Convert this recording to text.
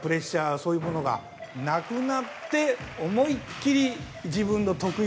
そういうものがなくなって思いっ切り自分の得意